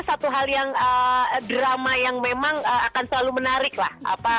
satu hal yang drama yang memang akan selalu menarik lah